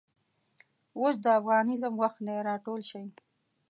اوس دافغانیزم وخت دی راټول شئ